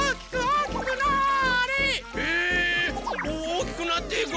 おおきくなっていく！